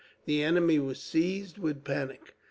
The enemy were seized with panic.